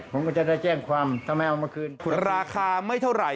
ผมก็จะได้แจ้งความทำไมเอามาคืนคุณราคาไม่เท่าไหร่